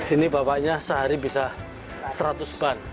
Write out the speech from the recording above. ini bapaknya sehari bisa seratus ban